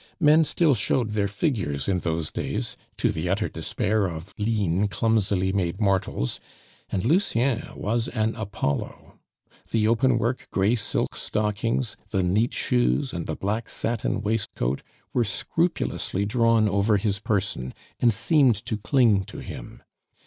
Men still showed their figures in those days, to the utter despair of lean, clumsily made mortals; and Lucien was an Apollo. The open work gray silk stockings, the neat shoes, and the black satin waistcoat were scrupulously drawn over his person, and seemed to cling to him.